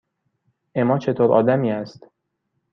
اِما چطور آدمی است؟